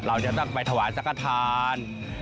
เราจะต้องไปถวายสังกฐาน